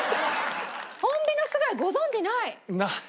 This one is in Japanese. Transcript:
ホンビノス貝ご存じない？ないよ。